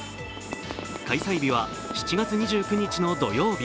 開催日は７月２９日の土曜日。